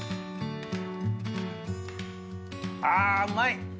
あうまい！